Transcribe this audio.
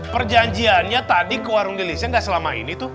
perjanjiannya tadi ke warung delisnya ga selama ini tuh